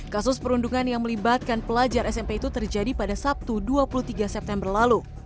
kasus perundungan yang melibatkan pelajar smp itu terjadi pada sabtu dua puluh tiga september lalu